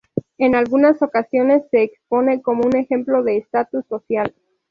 En algunas ocasiones se expone como un ejemplo de estatus social.